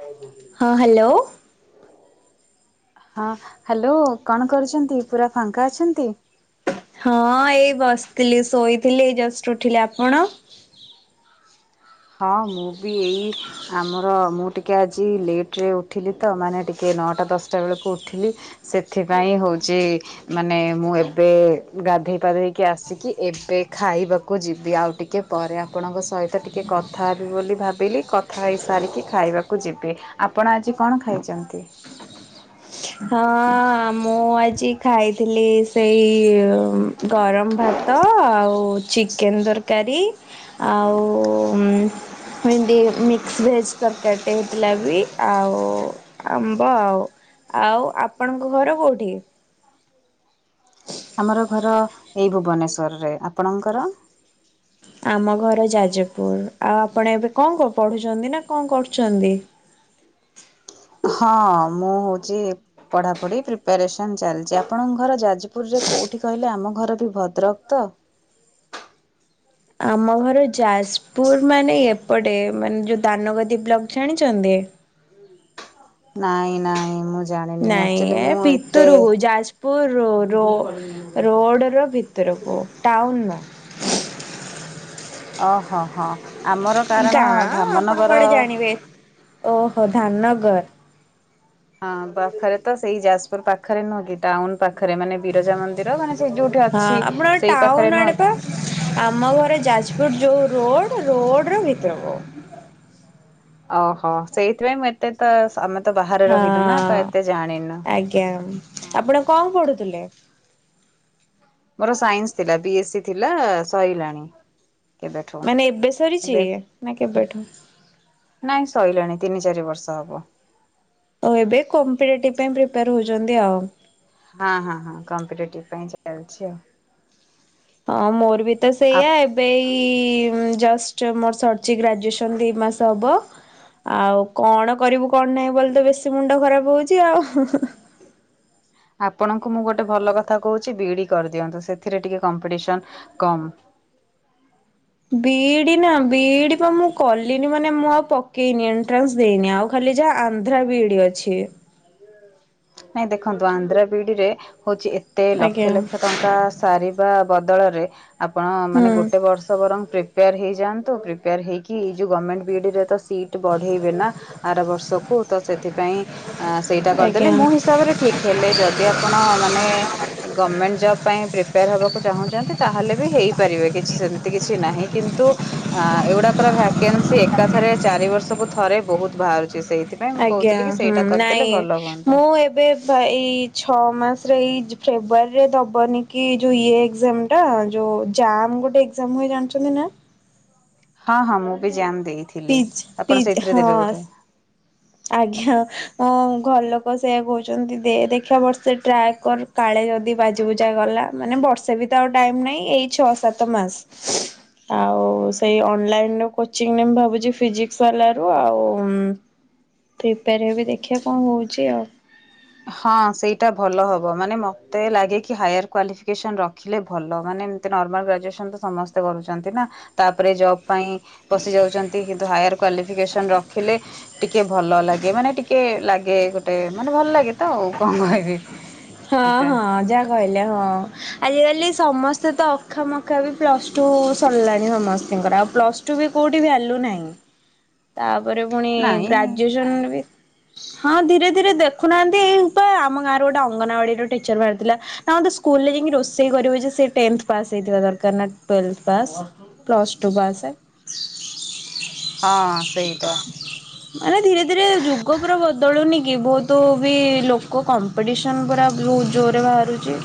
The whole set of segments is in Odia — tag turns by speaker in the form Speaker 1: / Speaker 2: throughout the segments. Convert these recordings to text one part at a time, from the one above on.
Speaker 1: ହଉ [unintelligible]
Speaker 2: ହଁ ହାଲୋ।
Speaker 1: ହଁ ହାଲୋ କଣ କରୁଛନ୍ତି ପୁରା ଫାଙ୍କା ଅଛନ୍ତି।
Speaker 2: ହଁ ଏଇ ବସିଥିଲି ଶୋଇଥିଲି ଏଇ ଜଷ୍ଟ୍ ଉଠିଲି। ଆପଣ?
Speaker 1: ହଁ ମୁଁ ବି ଏଇ ଆମର ମୁଁ ଟିକେ ଆଜି ଲେଟରେ ଉଠିଲି ତ ମାନେ ଟିକେ ନଅଟା ଦଶଟା ବେଳୁକୁ ଉଠିଲି। ସେଥିପାଇଁ ହଉଚି ମାନେ ମୁଁ ଏବେ ଗାଧେଇ ପାଧେଇକି ଆସିକି ଏବେ ଖାଇବାକୁ ଯିବି ଆଉ ଟିକେ ପରେ ଆପଣଙ୍କ ସହିତ ଟିକେ କଥା ହେବି ବୋଲି ଭାବିଲି କଥା ହେଇସାରିକି ଖାଇବାକୁ ଯିବି। ଆପଣ ଆଜି କଣ ଖାଇଚନ୍ତି?
Speaker 2: ହଁ ମୁଁ ଆଜି ଖାଇଥିଲି ଏଇ ଉଁ ଗରମ ଭାତ ଆଉ ଚିକେନ ଦର୍ କାରୀ ଆଉ ଉଁ ଭେଣ୍ଡି ମିକ୍ସ ଭେଜ୍ ତରକାରୀଟେ ହେଇଥିଲା ବି ଆଉ ଆମ୍ବ ଆଉ। ଆଉ ଆପଣଙ୍କ ଘର କୋଉଠି? ହଁ
Speaker 1: ଆମର ଘର ଏଇ ଭୁବନେଶ୍ୱରରେ। ଆପଣଙ୍କର?
Speaker 2: ଆମ ଘର ଯାଜପୁର ଆଉ ଆପଣ ଏବେ କଁ କ ପଢୁଛନ୍ତି ନା କଁ କରୁଛନ୍ତି?
Speaker 1: ହଁ ମୁଁ ହଉଚି ପଢାପଢି ପ୍ରିପ୍ୟାରେସନ୍ ଚାଲିଚି ଆପଣଙ୍କ ଘର ଯାଜପୁରରେ କୋଉଠି କହିଲେ ଆମ ଘର ବି ଭଦ୍ରକ ତ।
Speaker 2: ଆମ ଘର ଯାଜପୁର ମାନେ ଏପଟେ ମାନେ ଯେଉଁ ଦାନଗଦି ବ୍ଲକ ଜାଣିଛନ୍ତି
Speaker 1: ନାଇଁ ନାଇଁ ମୁଁ ଜାଣିନି
Speaker 2: ନାଇଁ
Speaker 1: ଆକ୍ଚୁଆଲି
Speaker 2: ଏ
Speaker 1: ମୁଁ ଏତେ
Speaker 2: ଭିତରୁ ହହୁ ଯାଜ ପୁ ରୋଡ଼ର ଭିତରକୁୁଅ ଟାଉନ
Speaker 1: ଓହୋ ହଁ ଆମର
Speaker 2: ନୁହଁ
Speaker 1: କାରଣ
Speaker 2: ଗାଁ ଆପଣ
Speaker 1: ଧାମନଗର
Speaker 2: କୁଆଡେ ଜାଣିବେ? ଓହୋ ଧାମନଗର
Speaker 1: ହଁ ପାଖରେ ତ ସେଇ ଯାଜପୁର ପାଖରେ ନୁହଁ କି ଟାଉନ ପାଖରେ ମାନେ ବିରଜା ମନ୍ଦିର ମାନେ ସେ ଯୋଉଠି
Speaker 2: ହଁ
Speaker 1: ଅଛି
Speaker 2: ଆପଣଙ୍କ
Speaker 1: ସେଇ
Speaker 2: ଟାଉନ
Speaker 1: ପାଖରେ
Speaker 2: ଆଡେ
Speaker 1: ନୁହଁ
Speaker 2: ପା।
Speaker 1: କି
Speaker 2: ଆମ ଘରେ ଯାଜପୁର ଯୋଉ ରୋଡ ରୋଡ ର ଭିତର କ
Speaker 1: ଓହୋ ସେଇଥିପାଇଁ ମୁଁ ଏତେ ତ ତ ବାହାରେ
Speaker 2: ହଁ
Speaker 1: ରହିଲୁ ନା ତ ଏତେ ଜାଣିନୁ।
Speaker 2: ଆଜ୍ଞା
Speaker 1: ହଁ
Speaker 2: ଆପଣ କଣ ପଢୁଥିଲେ
Speaker 1: ମୋର ସାଇନ୍ସ ଥିଲା ବି ଏସ୍ ସି ଥିଲା ସରିଲାଣି
Speaker 2: ମାନେ ଏବେ ସରିଛି ନା କେବେଠୁ
Speaker 1: ନାଇଁ ସରିଲାଣି ତିନି ଚାରି ବର୍ଷ ହବ
Speaker 2: ଓ ଏବେ କମ୍ପିଟେଟିଭ ପାଇଁ ପ୍ରିପେୟାର ହଉଛନ୍ତି ଆଉ
Speaker 1: ହଁ ହଁ ହଁ କମ୍ପିଟେଟିଭ ପାଇଁ ଚାଛି ଆଉ
Speaker 2: ହଁ ମୋର ବି ତ
Speaker 1: ଆ
Speaker 2: ସେଇଆ ଏବେ ଜଷ୍ଟ ମୋର ସରିଛି ଗ୍ରାଜୁଏସନ୍ ଦୁଇ ମାସ ହେବ ଆଉ କଣ କରିବୁ କଣ ନାହିଁ ବୋଲି ତ ବେଶୀ ମୁଣ୍ଡ ଖରାପ ହଉଛି ଆଉ
Speaker 1: ଆପଣଙ୍କୁ ମୁଁ ଗୋଟେ ଭଲ କଥା କହୁଛି ବିଇଡି କରିଦିଅନ୍ତୁ ସେଥିରେ ଟିକେ କମ୍ପିଟିସନ କମ୍
Speaker 2: ବିଇଡି ନା ବିଇଡି ବା ମୁଁ କଲିନି ମାନେ ମୁଁ ଆଉ ପକେଇନି ଏଣ୍ଟ୍ରାନ୍ସ ଦେଇନି ଆଉ ଖାଲି ଯାହା ଆନ୍ଧ୍ରା ବିଡି ଅଛି
Speaker 1: ନାଇଁ ଦେଖନ୍ତୁ ଆନ୍ଧ୍ର ବିିଡିରେ ହଉଛି ଏତେ
Speaker 2: ଆଜ୍ଞା
Speaker 1: ଲକ୍ଷ ଲକ୍ଷ ଟଙ୍କା ସ ବଦଳରେ ଆପଣ ମାନେ
Speaker 2: ହୁଁ
Speaker 1: ଗୋଟେ ବର୍ଷ ବ ପ୍ରିପେୟାର ହେଇଯାଆନ୍ତୁ ପ୍ରିପେୟାର ହେକିଇ ଯେଉଁ ଗଭର୍ଣ୍ଣମେଣ୍ଟ ବି ରେ ତ ସିଟ୍ ବଢ଼େଇବେ ନା ଆର ବର୍ଷକୁ ତ ସେଥିପାଇଁ ସେଇଟା କରିଦେଲେ
Speaker 2: ଆଜ୍ଞା।
Speaker 1: ମୁଁ ାବରେ ଠିକ ହେଲେ ଯଦି ଆପଣ ମାନେ ଗଭର୍ଣମେଣ୍ଟ ଜବ ପାଇଁ ପ୍ରିପେୟାର ହେବାକୁ ଚାହୁଁଛନ୍ତି ତାହେଲେ ବି ହେଇପାରିବେ କିଛି ସେମତି କିଛି ନାହିଁ କିନ୍ତୁ ଅ ଏଗୁଡାକର ଭ୍ୟାକେନ୍ସି ଏକାଥରେ ଚାରି ବର୍ଷକୁ ଥରେ ବହୁତ ବାହାରୁଛି ସେଇ
Speaker 2: ଆଜ୍ଞା ହୁଁ ନାଇଁ
Speaker 1: ହୁଅନ୍ତା।
Speaker 2: ମୁଁ ଏବେ ତ ଏଇ ଛଅ ମାସରେ ଏଇ ଫେବୃଆରୀରେ ଦବନି କି ଯୋଉ ଇଏ ଏକ୍ଜାମ ଟା ଯୋଉ ଜମ୍ ଗୋଟେ ଏଜାମ ହୁଏ ଜାଣିଛନ୍ତି ନା
Speaker 1: ହଁ ହଁ ମୁଁ ବି ଜମ୍ ଦେଇଥିଲି
Speaker 2: ପିଜ୍
Speaker 1: ଆପଣ
Speaker 2: ପିଜ୍
Speaker 1: ସେଇଥିରେ ଦେବେ
Speaker 2: ହଁ
Speaker 1: ବୋଧଏ
Speaker 2: ଆଜ୍ଞା ଘର ଲୋକ ସେୟଆ କହୁଛନ୍ତି ଦେ ଦେଖିବା ବର୍ଷ ଟ୍ରାକ୍ କର କାଳେ ଯଦି ବାଜିବୁଜା ଗଲା ମାନେ ବର୍ଷେ ବି ତ ଆଉ ଟାଇମ୍ ନାହିଁ ଏଇ ଛଅ ସାତ ମାସ
Speaker 1: ହ
Speaker 2: ଆଉ ସେଇ ଅନଲାଇନ କୋଚିଂ ମୁ ଭାବୁଛି ଫିଜିକସ ବାଲ ର ଆଉ ପ୍ରିପେୟାର ହେବ ଦେଖିବା କଣ ହେଉଛି ଆଉ
Speaker 1: ହଁ ସେଇଟା ଭଲ ହବ ମାନେ ମତେ ଲାଗେ କି ହାୟାର କ୍ୱାଲିଫିକେସନ ରଖିଲେ ଭଲ ମାନେ ନର୍ମାଲ ଗ୍ରାଜୁଏସନ ତ ସମସ୍ତେ କରୁଛନ୍ତି ନା ତାପରେ ଜବ୍ ପାଇଁ ପଶି ଯାଉଛନ୍ତି କିନ୍ତୁ ହାୟାର କ୍ଵାଲିଫିକେସନ ରଖିଲେ ଟିକେ ଭଲ ଲାଗେ ମାନେ ଟିକେ ଲାଗେ ଗୋଟେ ମାନେ ଭଲ ଲାଗେ ତ ଆଉ କଣ କହିବି
Speaker 2: ହଁ
Speaker 1: ଏଟା
Speaker 2: ହଁ ଜ କହିଲେ ହଁ ଆଜିକାଲି ସମସ୍ତେ ତ ଅଖା ମଖା ବି ପ୍ଲସ୍ ଟୁ ସରିଲାଣି ସମସ୍ତଙ୍କର ଆଉ ପ୍ଲସ୍ ଟୁ ବି କେଉଁଠି ବି ଭ ଆଲୁ ନାହିଁ
Speaker 1: ହ
Speaker 2: ତାପରେ ପୁଣି ଗ୍ରାଜୁଏସନ ବି ହଁ ଧୀରେ ଧୀରେ ଦେଖୁନାହାନ୍ତି ଏଇ ଉପ ଆମ ଗାଁ ର ଗୋଟେ ଅଙ୍ଗନବାଡିର ଟିଚର ବାହାରିଥିଲା ନା ସ୍ ଯକି ରୋଷେଇ କରିବୁ ଯେ ହେଇ ଦରକାର ପ୍ଲସ ଟୁ ବା ଆସ
Speaker 1: ହଁ ସେଇଟା।
Speaker 2: ମାନେ ଧୀରେ ଧୀରେ ଯୁଗ ପୁରା ବଦଳୁନି କି ବହୁତ ବି ଲୋକ କମ୍ପିଟି ସନ ପୁରା ବହୁତ ଜୋରରେ ବାହାରୁଛି।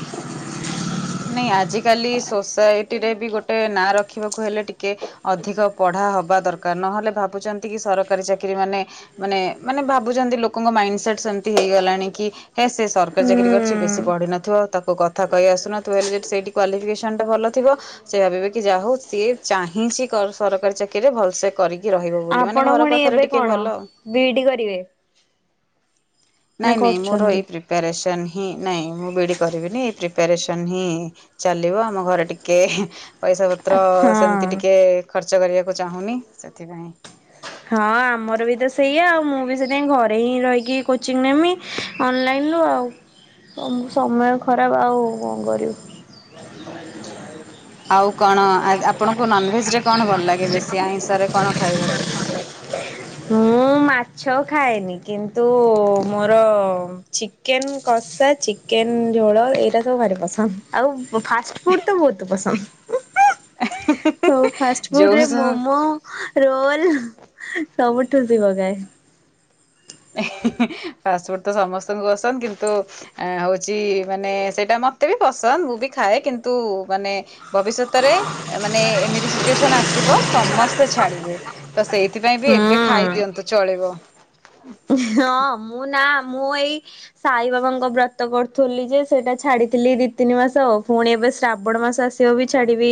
Speaker 1: ନାଇଁ ଆଜିକାଲି ସୋସାଇଟି ରେ ବି ଗୋଟେ ନାଁ ରଖିବାକୁ ହେଲେ ଟିକେ ଅଧିକ ପଢ଼ା ହବା ଦରକାର ନହେଲେ ଭାବୁଛନ୍ତି କି ସରକାରୀ ଚାକିରି ମାନେ ମାନେ ମାନେ ଭାବୁଛନ୍ତି ଲୋକଙ୍କ ମାଇଣ୍ଡ ସେେଟ୍ ସେମିତି ହେଇଗଲାଣି କି ହେ ସେ ସରକାରୀ ଚାକିରି କରିଛି ବେଶୀ
Speaker 2: ଉଁ
Speaker 1: ପଢି ନଥିବ ତାକୁ କଥା କହି ଆସୁନ ଥିବ ହେଲେ ସେଠି ସେଇଟି କ୍ୱାଲିଫିକେସନ ଟା ଭଲଥିବ। ସେ ଭାବିବେ କି ଯା ହଉ ସିଏ ଚାହିଁଛି କ ସରକାରୀ ଚାକିରିରେ ଭଲସେ କରିକି ରହିବ ବୋଲି ମାନେ ଘର ପାଖରେ ଟିକେ ଭଲ।
Speaker 2: ବି ଇ ଡି କରିବେ? ନା
Speaker 1: ନାଇଁ ନାଇଁ ମୋର
Speaker 2: କରୁଛନ୍ତି?
Speaker 1: ଏଇ ପ୍ରିପାରେସନ୍ ହିଁ ନାଇଁ ମୁଁ ବିଡ଼ି କରିବିନି ଏଇ ପ୍ରିପାରେସନ୍ ହିଁ ଚାଲିବ ଆମ ଘରେ ଟିକେ ହେଁ। ପଇସା
Speaker 2: ହଁ।
Speaker 1: ପତ୍ର ସେମିତି ଟିକେ ଖର୍ଚ୍ଚ କରିବାକୁ ଚାହୁଁନି ସେଥିପାଇଁ।
Speaker 2: ହଁ ଆମର ବି ତ ସେଇଆ ଆଉ ମୁଁ ବି ସେଥି ପାଇଁ ଘରେ ହିଁ ରହିକି କୋଚିଂ ନେମି। ଅନଲାଇନ୍ ରୁ ଆଉ ସମୟ ଖରାପ ଆଉ କଣ କରିବୁ।
Speaker 1: ଆଉ କଣ ଆଜ୍ ଆପଣଙ୍କୁ ନନଭେଜରେ କଣ ଭଲ ଲାଗେ ବେଶୀ ଆଇଁଷରେ କଣ ଖାଇବାକୁ?
Speaker 2: ମୁଁ ମାଛ ଖାଏନି କିନ୍ତୁ ମୋର ଚିକେନ କଷା ଚିକେନ ଝୋଳ ଏଇଟା ସବୁ ଭାରି ପସନ୍ଦ ଆଉ ମୋ ଫାଷ୍ଟ ଫୁଡ଼୍ ତ ବହୁତ ପସନ୍ଦ।
Speaker 1: ଆ
Speaker 2: ସବୁ ଫାଷ୍ଟ ଫୁଡ ରେ ମୋମୋ ରୋଲ ସବୁ ଠୁସି ପକାଏ।
Speaker 1: ହେ ହେ ହେ ଫାଷ୍ଟଫୁଡ ତ ସମସ୍ତଙ୍କୁ ପସନ୍ଦ କିନ୍ତୁ ଆ ହଉଛି ମାନେ ସେଇଟା ମତେ ବି ପସନ୍ଦ ମୁଁ ବି ଖାଏ କିନ୍ତୁ ମାନେ ଭବିଷ୍ୟତରେ ମାନେ ଏମିତି ସିଚୁଏସନ ଆସିବ ସମସ୍ତେ ଛାଡିବେ। ତ ସେଇଥିପାଇଁ ବି ଏବେ
Speaker 2: ହୁଁ।
Speaker 1: ଖାଇଦିଅନ୍ତୁ ଚଳିବ।
Speaker 2: ହଁ ମୁଁ ନା ମୁଁ ଏଇ ସାଇ ବାବାଙ୍କ ବ୍ରତ କରୁଥୁଲି ଯେ ସେଇଟା ଛାଡିଥିଲି ଦି ତିନି ମାସ ଆଉ ପୁଣି ଏବେ ଶ୍ରାବଣ ମାସ ଆସି ସେୟା ବି ଛାଡ଼ିବି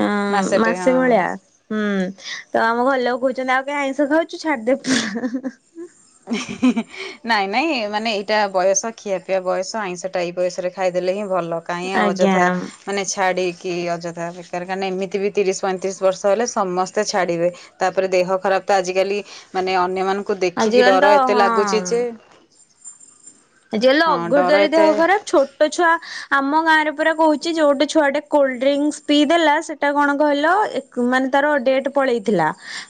Speaker 2: ଅଁ
Speaker 1: ମାସଟେ
Speaker 2: ମାସେ
Speaker 1: ହଁ।
Speaker 2: ଭଳିଆ। ହୁଁ ତ ଆମ ଘଲ ଲୋକ କହୁଛନ୍ତି ଆଉ କେ ଆଇଁଷ ଖାଉଛୁ ଛାଡିଦେବ ପୁରା।
Speaker 1: ନାଇଁ ନାଇଁ ମାନେ ଏଇଟା ବୟସ ଖିଆପିଆ ବୟସ ଆଇଁଷ ଟା ଏଇ ବୟସରେ ଖାଇଦେଲେ ହିଁ ଭଲ କାହିଁ ଆଉ
Speaker 2: ଆଜ୍ଞା
Speaker 1: ଅଯଥା ମାନେ ଛାଡ଼ିକି ଅଯଥା ବେକାର କାଇଁ ଏମିତି ବି ତିରିଶ ପଇଁତିରିଶ ବର୍ଷ ହେଲେ ସମସ୍ତେ ଛାଡ଼ିବେ। ତାପରେ ଦେହ ଖରାପ ତ ଆଜିକାଲି ମାନେ ଅନ୍ୟ ମଙ୍କୁ ଦେ ଖିକି
Speaker 2: ଆଜିକାଲି
Speaker 1: ଡର
Speaker 2: ତ
Speaker 1: ଏତେ ଲାଗୁଛି ଯେ
Speaker 2: ଆଜି କାଲି
Speaker 1: ହଁ ଡର
Speaker 2: ଅଗରଦାରୀ ଦେହ
Speaker 1: ଏତେ
Speaker 2: ଖରାପ ଛୋ ଛୋଟ ଛୁଆ ଆମ ଗାଁ ରେ ପୁରା କହୁଛି ଯୋଉଟି ଛୁଆଟେ କୁଲ୍ଡରୀଙ୍ଗସ ପିଇ ଦେଲା ସେଟା କଣ କହିଲ ମାନେ ତାର ଡେଟ ପଳେଇଥିଲା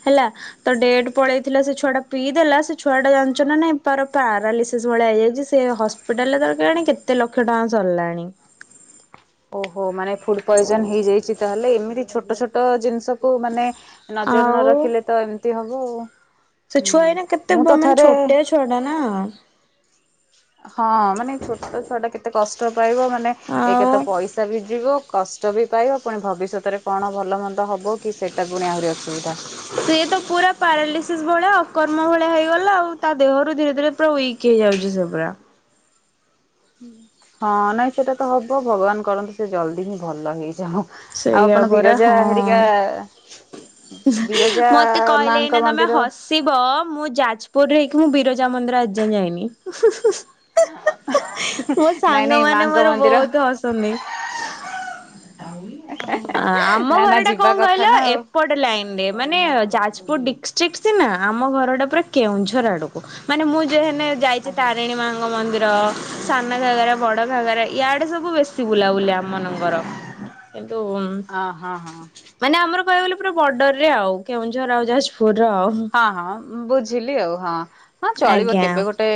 Speaker 2: ହେଲା। ତ ଡଟ ପଳେଇଥିଲା ସେ ଛୁଆଟା ପିଇଦ ଦେଲା ସେ ଛୁଆ ଟା ଜାଣିଛ ନାଇଁ ଟାର ପାରାଲିସିସ୍ ଭଳିଆ ହେଇଯାଇଛି। ସେ ହସ୍ପିଟାଲରେେ ତାର କେଜାଣି କେତେ ଲକ୍ଷ ଟଙ୍କା ସରିଲାଣି।
Speaker 1: ଓହୋ ମାନେ ଫୁଡ ପଏଜନ ହେଇଯାଇଛି ତାହେଲେ ଏମିତି ଛୋଟ ଛୋଟ ଜିନିଷକୁ ମାନେ ନଜର ନ
Speaker 2: ଆଉ
Speaker 1: ରଖିଲେ ତ ଏମିତି ହବ ଆଉ ହୁଁ ମୁଁ ତ ଥରେ
Speaker 2: ଶୋଡା ନା।
Speaker 1: ହଁ ମାନେ ଛୋଟ ଛୁଆ ଟା କେତେ କଷ୍ଟ ପାଇବ ମାନେ ଏକେ
Speaker 2: ଆଉ
Speaker 1: ତ ପଇସା ବି ଯିବ କଷ୍ଟ ବି ପାଇବ ପୁଣି ଭବିଷ୍ୟତରେ କଣ ଭଲମନ୍ଦ ହେବ କି ସେ ଟା ପୁଣି ଆହୁରି ଅସୁବିଧା।
Speaker 2: ସିଏ ତ ପୁରା ପାରାଲିସିସ୍ ଭଳିଆ ଅକର୍ମ ଭଳିଆ ହେଇଗଲା ଆଉ ତା ଦେହରୁ ଧୀରେ ଧୀରେ ପୁରା ୱିକ୍। କିଏ ଯାଉଛି ସେ ପୁରା।
Speaker 1: ହଁ ନାଇଁ ସେଟା ତ ହବ ଭଗବାନ କରନ୍ତୁ ସେ ଜଲଦି ହିଁ ଭଲ ହେଇ ଯାଉ ଆଉ
Speaker 2: ସେଇଆ
Speaker 1: ଆପଣ
Speaker 2: ପରା
Speaker 1: ବିରଜା
Speaker 2: ହଁ।
Speaker 1: ହେରିକା ବିରଜା ମାଙ୍କ ମନ୍ଦିର।
Speaker 2: ଶିବ ମୁଁ ଯାଜପୁରରେ ହେଇକି ମୁଁ ବିରଜା ମନ୍ଦିର ଆଜିଯାଏ ଯାଇନି। ମୋ
Speaker 1: ନାଇଁ
Speaker 2: ସାଙ୍ଗ
Speaker 1: ନାଇଁ
Speaker 2: ମାନ
Speaker 1: ମାଙ୍କ
Speaker 2: ମୋର
Speaker 1: ମନ୍ଦିର
Speaker 2: ବହୁତ ହସନ୍ତି। ଆମ
Speaker 1: ନା ନା
Speaker 2: ଘର ଟା
Speaker 1: ଯିବା
Speaker 2: କଣ
Speaker 1: କଥା
Speaker 2: କହିଲ
Speaker 1: ନା ଆଉ।
Speaker 2: ଏପଟ ଟେ ଲାଇନ୍ ରେ ମାନେ ଯାଜପୁର ଡିଷ୍ଟ୍ରିକ୍ଟ ସିନା ଆମ ଘରଟା ପୁରା କେଉଁଝର ଆଡ଼କୁ। ମାନେ ମୁଁ ଯେ ହେନେ ଯାଇଛି ତାରିଣୀ ମା ଙ୍କ ମନ୍ଦିର ସାନ ଘାଗରା ବଡ଼ ଘାଗରା ଇଆଡ଼େ ସବୁ ବେଶୀ ବୁଲାବୁଲି ଆମ ମାନଙ୍କର। [unintelligible]
Speaker 1: ହ ହଁ ହଁ।
Speaker 2: ମାନେ ଆମର କହିବାକୁ ଗଲେ ପୁରା ବର୍ଡରରେ ଆଉ କେଉଁଝର ଆଉ ଯାଜପୁର ର ଆଉ।
Speaker 1: ହଁ ହଁ ବୁଝିଲି ଆଉ ହଁ ହଁ ଚଳିବ
Speaker 2: ଆଜ୍ଞା।
Speaker 1: କେବେ ଗୋଟେ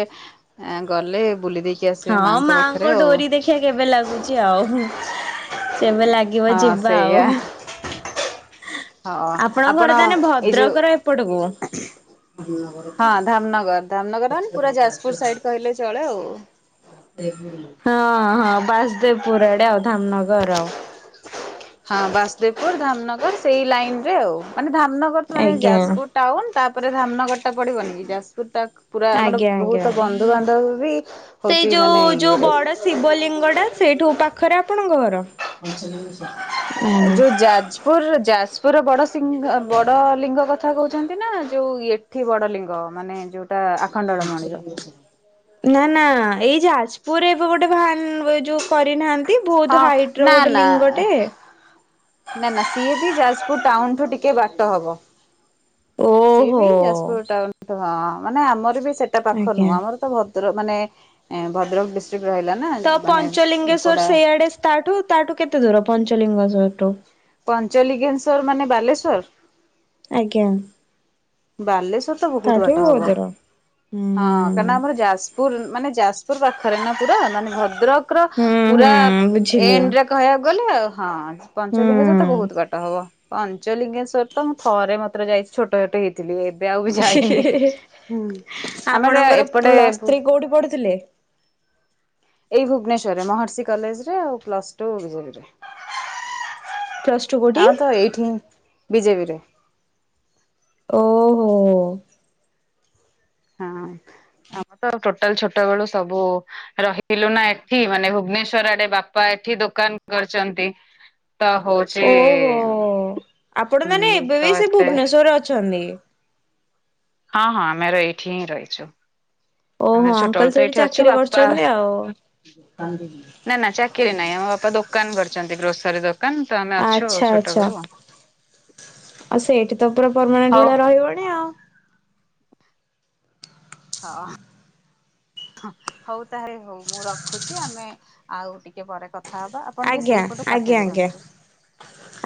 Speaker 1: ଗଲେ ବୁଲି ଦେଇକି କି ଆସିବେ
Speaker 2: ହଁ
Speaker 1: ମାଆଙ୍କ
Speaker 2: ମାଙ୍କ
Speaker 1: ପାଖରେ ଆଉ।
Speaker 2: ଡୋରି ଦେଖିବା କେବେ ଲାଗୁଛି ଆଉ ଯେବେ ଲାଗିବ
Speaker 1: ହଁ
Speaker 2: ଯିବା
Speaker 1: ସେଇଆ
Speaker 2: ଆଉ।
Speaker 1: ହଁ
Speaker 2: ଆପଣଙ୍କ ଘର
Speaker 1: ଆପଣ
Speaker 2: ତାହେଲେ
Speaker 1: ଏଇ ଯଉ
Speaker 2: ଭଦ୍ରକର ଏପଟକୁ [inaudible]
Speaker 1: ହଁ ଧାମନଗର ଧାମନଗର ମାନେ ପୁରା ଯାଜପୁର ସାଇଡ କହିଲେ ଚଳେ ଆଉ।
Speaker 2: ହଁ ହଁ ବାସଦେବପୁର ଆଡ଼େ ଆଉ ଧାମନଗର ଆଉ।
Speaker 1: ହଁ ବାସଦେବପୁର ଧାମନଗର ସେଇ ଲାଇନ ରେ ଆଉ ମାନେ ଧାମନଗର ତ ମାନେ
Speaker 2: ଆଜ୍ଞା
Speaker 1: ଯାଜପୁର ଟାଉନ ତାପରେ ଧାମନଗରଟା ପଡ଼ିବନି କି ଯାଜପୁରଟା ପୁରା ମାନେ
Speaker 2: ଆଜ୍ଞା ଆଜ୍ଞା।
Speaker 1: ବହୁତ ବନ୍ଧୁବାନ୍ଧବ ବି
Speaker 2: ସେଇ
Speaker 1: ହଉଛି
Speaker 2: ଯୋଉ
Speaker 1: ମାନେ
Speaker 2: ଯୋଉ
Speaker 1: ଇଏରେ
Speaker 2: ବଡ଼ ଶିବ ଲିଙ୍ଗ ଟା ସେଇଠୁ ପାଖରେ ଆପଣଙ୍କ ଘର। [inaudible]
Speaker 1: ପୁର ଯାଜପୁରର ବଡ଼ ସିଂ ବଡ଼ ଲିଙ୍ଗ କଥା କହୁଛନ୍ତି ନା ଯୋଉ ଇଏ ଠି ବଡ଼ ଲିଙ୍ଗ ମାନେ ଯୋଉ
Speaker 2: ନା ନା ଏଇ ଯାଜପୁରରେ ଏବେ ଗୋଟେ ଭାନ ଏ ଯୋଉ କରିନାହାନ୍ତି
Speaker 1: ହଁ
Speaker 2: ବହୁତ ହାଇଟ୍ ର
Speaker 1: ନା
Speaker 2: ଗୋଟେ
Speaker 1: ନା
Speaker 2: ଲିଙ୍ଗ ଟେ
Speaker 1: ନା ନା ସିଏ ବି ଯାଜପୁର ଟାଉନଠୁ ଟିକେ ବାଟ ହବ। ସିଏ
Speaker 2: ଓହୋ
Speaker 1: ବି ଯାଜପୁର ଟାଉନ ହଁ ମାନେ ଆମର ବି ସେଟା ପାଖ
Speaker 2: ଆଜ୍ଞା।
Speaker 1: ନୁହଁ ଆମର ତ ଭଦ୍ରକ ମାନେ ଭଦ୍ରକ ଡିଷ୍ଟ୍ରିକ୍ଟ ରହିଲା ନା
Speaker 2: ତ
Speaker 1: ମାନେ
Speaker 2: ପଞ୍ଚଲିଙ୍ଗେଶ୍ଵର
Speaker 1: କଡ଼ା
Speaker 2: ସେଇଆଡେ ତାଠୁ ତାଠୁ କେତେ ଦୂର ପଞ୍ଚଲିଙ୍ଗେସ୍ୱର୍ ଠୁ?
Speaker 1: ପଞ୍ଚଲିଙ୍ଗେଶ୍ଵର ମାନେ ବାଲେଶ୍ୱର?
Speaker 2: ଆଜ୍ଞା।
Speaker 1: ବାଲେଶ୍ଵର ତ ବହୁତ
Speaker 2: ତାଠୁ
Speaker 1: ବାଟ ହବ।
Speaker 2: ଦୂର। ହୁଁ
Speaker 1: ହଁ କାହିଁକିନା ଆମର ଯାଜପୁର ମାନେ ଯାଜପୁର ପାଖରେ ନା ପୁରା ମାନେ ଭଦ୍ରକ ର
Speaker 2: ହୁଁ
Speaker 1: ପୁରା
Speaker 2: ହୁଁ ବୁଝିଲି
Speaker 1: ଏଣ୍ଡରେ କହିବାକୁ ଗଲେ ହଁ ପଞ୍ଚଲିଙ୍ଗେଶ୍ୱର ତ
Speaker 2: ହୁଁ।
Speaker 1: ବହୁତ ବା ଟ ହବ ପଞ୍ଚଲିଙ୍ଗେଶ୍ଵର ତ ମୁଁ ଥରେ ମାତ୍ର ଯାଇଛି ଛୋଟ ଛୋଟ ହେଇଥିଲି। ଏବେ ଆଉ ବି ଯାଇନି ହୁଁ ଆମର
Speaker 2: ଆପଣଙ୍କର
Speaker 1: ଏପଟେ
Speaker 2: ପ୍ଲସ୍ ଥ୍ରୀ କୋଉଠି ପଢୁଥିଲେ?
Speaker 1: ଏଇ ଭୁବନେଶ୍ଵରରେ ମହର୍ଷି କଲେଜ ରେ ଆଉ ପ୍ଲସଟୁ ବିଜେପିରେ।
Speaker 2: ପ୍ଲସ ଟୁ କୋଉଠି?
Speaker 1: ଆଉ ତ ଏଇଠି ବିଜେପିରେ
Speaker 2: ଓହୋ।
Speaker 1: ହଁ ଆମର ତ ଟୋଟାଲ ଛୋଟବେଳୁ ସବୁ ରହିଲୁ ନା ଏଠି ମାନେ ଭୁବନେଶ୍ୱର ଆଡ଼େ ବାପା ଏଠି ଦୋକାନ କରିଛନ୍ତି। ତା ହଉ
Speaker 2: ଓହୋ ଆପଣ ମାନେ
Speaker 1: ହୁଁ
Speaker 2: ଏବେ ବି
Speaker 1: ତ
Speaker 2: ସେ
Speaker 1: ଏତେ
Speaker 2: ଭୁବନେଶ୍ୱରରେ ଅଛନ୍ତି?
Speaker 1: ହଁ ହଁ ଆମେର ଏଇଠି ହିଁ ରହିଛୁ। ଆମେ
Speaker 2: ଓହୋ ଅଙ୍କଲ
Speaker 1: ଛୋଟବେଳୁ ତ
Speaker 2: ସେଇଠି
Speaker 1: ଏଇଠି ଅଛୁ
Speaker 2: ଚାକିରି
Speaker 1: ବାପା
Speaker 2: କରିଛନ୍ତି ଆଉ
Speaker 1: ନା ନା ଚାକିରି ନାହିଁ ଆମ ବାପା ଦୋକାନ କରିଛନ୍ତି ଗ୍ରୋସରୀ ଦୋ କାନ ତ ଆମେ ଅଛୁ ଆଉ
Speaker 2: ଆଚ୍ଛା
Speaker 1: ଛୋଟ
Speaker 2: ଆଚ୍ଛା।
Speaker 1: ବେଳୁ ଆଉ
Speaker 2: ଆଉ ସେଇଠି ତ ପୁରା ପର୍ମନେଣ୍ଟ
Speaker 1: ହଉ
Speaker 2: ଭଳିଆ ରହିଗଲଣି ଆଉ।
Speaker 1: ହଁ। ହଉ ତାହେଲେ ହଉ ମୁଁ ରଖୁଛି ଆମେ ଆଉ ଟିକେ ପରେ କଥା ହବା ଆପଣ ଟିକେ
Speaker 2: ଆଜ୍ଞା
Speaker 1: ସେଇପଟୁ
Speaker 2: ଆଜ୍ଞା
Speaker 1: କାଟିଦେବେ
Speaker 2: ଆଜ୍ଞା
Speaker 1: କିନ୍ତୁ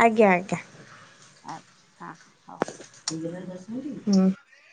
Speaker 2: ଆଜ୍ଞା ଆଜ୍ଞା।
Speaker 1: ଆ ହଁ ହଉ
Speaker 2: ହୁଁ